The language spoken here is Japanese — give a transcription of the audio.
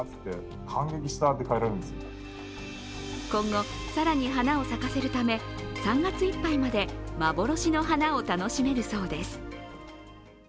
今後、更に花を咲かせるため、３月いっぱいまで幻の花を楽しめるそうです。